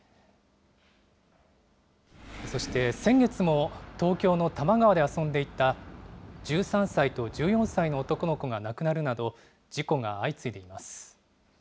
そして先月も、東京の多摩川で遊んでいた１３歳と１４歳の男の子が亡くなるなど、事故が相次いでいます。